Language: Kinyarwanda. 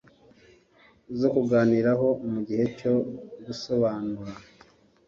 zo kuganiraho mu gihe cyo gusobanura